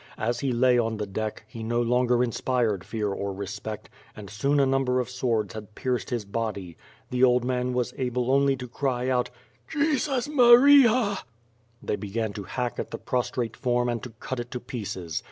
As he lay on the deck, he no longer inspired fear or respect, and soon a number of swords had pierced his body. The old man was able only to cry out; "Jesus Maria!" 1 68 WITH FIRE AND SWORD. They began to hack at the prostrate form and to cut it to pieces.